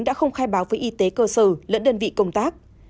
đã không khai báo với y tế cơ sở lẫn đơn vị công tác